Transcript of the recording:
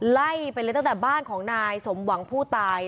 ไล่ไปเลยตั้งแต่บ้านของนายสมหวังผู้ตาย